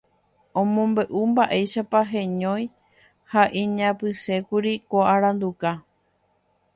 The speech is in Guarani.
Omombe'u mba'éichapa heñói ha iñapysẽkuri ko aranduka.